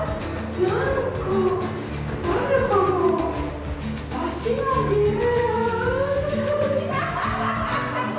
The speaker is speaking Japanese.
何か誰かの足が見える。